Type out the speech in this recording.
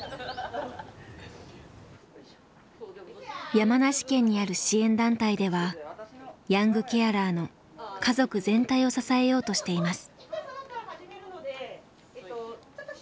山梨県にある支援団体ではヤングケアラーの家族全体を支えようとしています。